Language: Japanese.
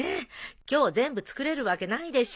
今日全部作れるわけないでしょ。